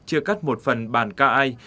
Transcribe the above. chia cắt một phần bản ca ai